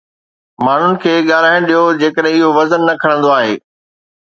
ماڻهن کي ڳالهائڻ ڏيو جيڪڏهن اهو وزن نه کڻندو آهي.